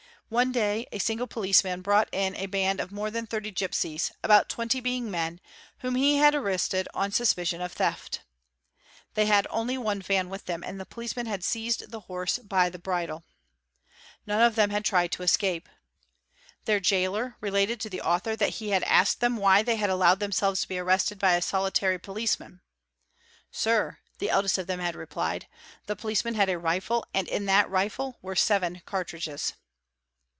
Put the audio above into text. One day a single policeman brought in a ind of more than thirty gipsies, about twenty being men, whom he ad arrested on suspicion of theft. They had only one van with them nd the policeman had seized the horse by the bridle. None of them had ied to escape. Their jailor related to the author that he had asked em why they had allowed themselves to be arrested by a solitary iceman. "Sir" the eldest of them had replied, "the policeman had a rifle and in that rifle were seven cartridges."